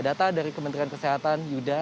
data dari kementerian kesehatan yuda